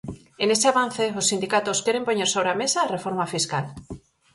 E nese avance, os sindicatos queren poñer sobre a mesa a reforma fiscal.